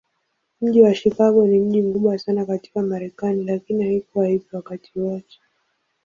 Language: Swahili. Mji wa Chicago ni mji mkubwa sana katika Marekani, lakini haikuwa hivyo wakati wote.